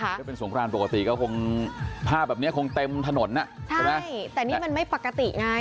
ถ้าเป็นสงครานปกติก็คงภาพแบบนี้คงเต็มถนนอ่ะใช่ไหมใช่แต่นี่มันไม่ปกติไง